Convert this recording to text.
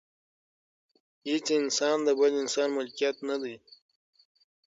هیڅ انسان د بل انسان ملکیت نه دی.